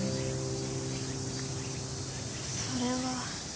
それは。